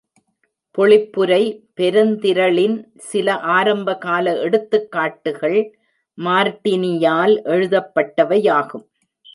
பொழிப்புரை பெருந்திரளின் சில ஆரம்பகால எடுத்துக்காட்டுகள் மார்ட்டினியால் எழுதப்பட்டவையாகும்.